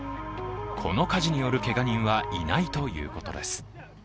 この火事によるけが人はいないということです。